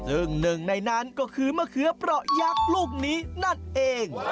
ซึ่งหนึ่งในนั้นก็คือมะเขือเปราะยักษ์ลูกนี้นั่นเอง